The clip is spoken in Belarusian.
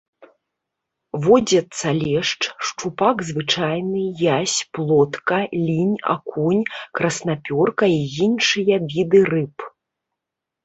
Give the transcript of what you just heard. Водзяцца лешч, шчупак звычайны, язь, плотка, лінь, акунь, краснапёрка і іншыя віды рыб.